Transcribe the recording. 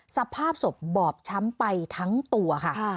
สภาพศพบอบช้ำไปทั้งตัวค่ะ